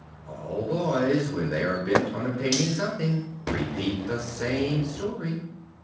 "All boys, when they are bent on obtaining something, repeat the same story."